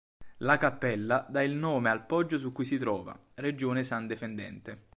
La cappella dà il nome al poggio su cui si trova, Regione San Defendente.